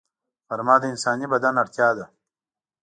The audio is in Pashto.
غرمه د انساني بدن اړتیا ده